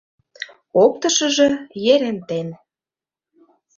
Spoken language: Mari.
Оптышыжо Ерентен...